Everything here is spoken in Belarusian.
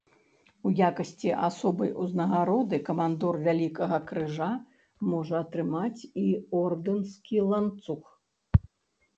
У якасці асобай узнагароды камандор вялікага крыжа можа атрымаць і ордэнскі ланцуг.